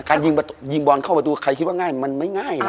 การยิงบอลเข้าประตูใครคิดว่าง่ายมันไม่ง่ายนะ